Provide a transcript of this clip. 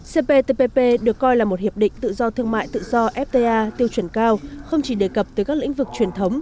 cptpp được coi là một hiệp định tự do thương mại tự do fta tiêu chuẩn cao không chỉ đề cập tới các lĩnh vực truyền thống